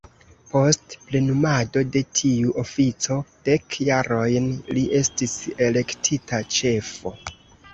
Post plenumado de tiu ofico dek jarojn li estis elektita ĉefo.